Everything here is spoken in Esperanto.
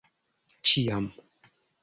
Ĉiam.